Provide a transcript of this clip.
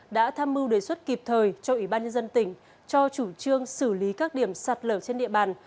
đã tham mưu đề xuất kịp thời cho ủy ban nhân dân tỉnh cho chủ trương xử lý các điểm sạt lở trên địa bàn